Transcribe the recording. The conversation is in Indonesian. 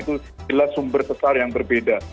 itu jelas sumber kesal yang berbeda